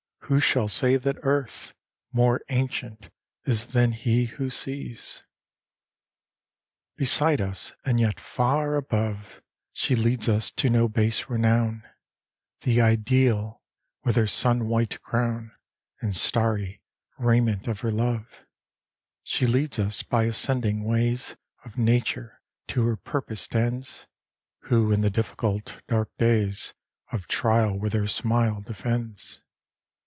who shall say that Earth More ancient is than he who sees? IV Beside us, and yet far above, She leads us to no base renown The Ideal, with her sun white crown, And starry raiment of her love: She leads us by ascending ways Of Nature to her purposed ends, Who in the difficult, dark days Of trial with her smile defends.